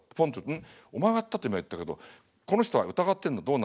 「ん？お前がやったって今言ったけどこの人は疑ってんの？